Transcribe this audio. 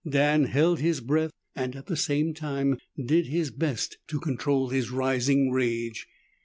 Dan held his breath and at the same time did his best to control his rising rage.